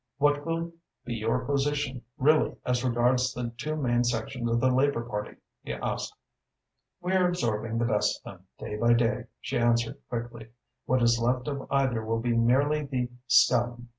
"What will be your position really as regards the two main sections of the Labour Party?" he asked. "We are absorbing the best of them, day by day," she answered quickly. "What is left of either will be merely the scum.